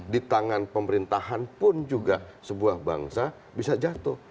di tangan pemerintahan pun juga sebuah bangsa bisa jatuh